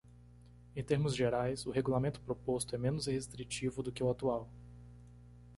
Em termos gerais, o regulamento proposto é menos restritivo do que o atual.